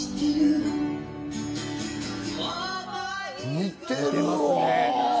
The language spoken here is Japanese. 似てるわ！